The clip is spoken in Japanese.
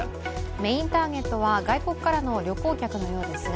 メインターゲットは外国からの旅行客のようですが